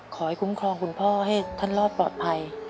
คุ้มครองคุณพ่อให้ท่านรอดปลอดภัย